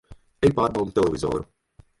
Ej pārbaudi televizoru!